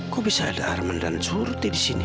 kok bisa ada arman dan soruti disini